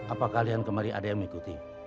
apakah kalian kembali ada yang mengikuti